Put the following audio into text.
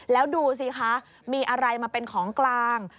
แล้วดูสิคะมีอะไรมาเป็นของกลาง